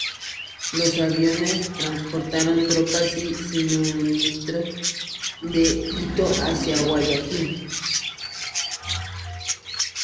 Los aviones transportaron tropas y suministros de Quito hacia Guayaquil.